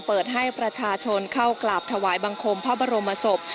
เปิดให้ประชาชนเข้ากราบถวายบังคมพระบรมศพ